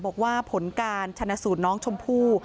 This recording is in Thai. บอกว่าผลการชนะสูตรน้องชมพู่